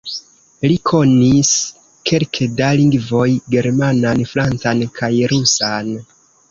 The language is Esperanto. Li konis kelke da lingvoj: germanan, francan kaj rusan.